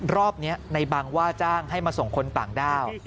รอบนี้ในบังว่าจ้างให้มาส่งคนต่างด้าว